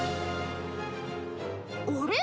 あれ？